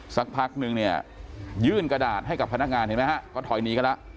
สักพักนึงเนี่ยยื่นกระดาษให้กับพนักงานเห็นไหมฮะก็ถอยหนีกันแล้ว